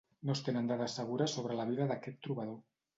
No es tenen dades segures sobre la vida d'aquest trobador.